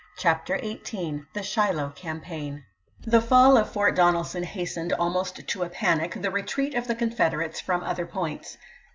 CHAPTER XVIII THE SHILOH CAMPAIGN THE fall of Fort Donelson hastened, almost to ch. xviii. a panic, the retreat of the Confederates from other points.